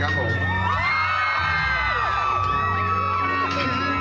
รักแค่คุณว่าจะรักแค่คุณเท่านั้น